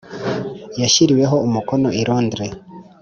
yashyiriweho umukono i Londres